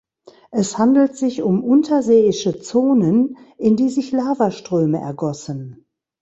Es handelt sich um unterseeische Zonen, in die sich Lavaströme ergossen.